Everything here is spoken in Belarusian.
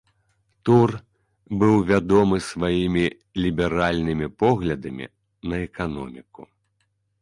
Тур быў вядомы сваімі ліберальнымі поглядамі на эканоміку.